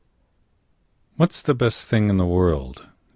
What's the best thing in the world?